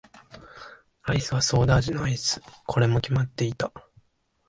アイスはソーダ味のアイス。これも決まっていた。